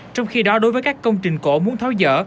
trong khi đó đối với các công trình cổ muốn tháo dỡ